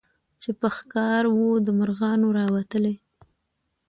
چي په ښکار وو د مرغانو راوتلی